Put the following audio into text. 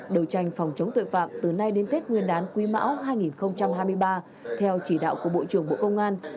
đầu tranh phòng chống tội phạm từ nay đến tết nguyên đán quý mão hai nghìn hai mươi ba theo chỉ đạo của bộ trưởng bộ công an